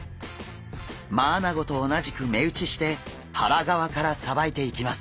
マアナゴと同じく目打ちして腹側からさばいていきます。